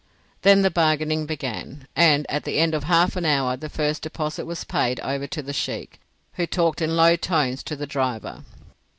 Then the bargaining began, and at the end of half an hour the first deposit was paid over to the sheik, who talked in low tones to the driver.